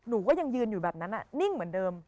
แล้วยังยืนอยู่แบบนั้นน่ะนิ่งเหมือนเดิม